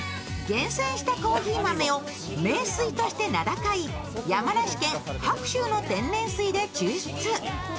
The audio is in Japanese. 厳選したコーヒー豆を名水として名高い山梨県白州の天然水で抽出。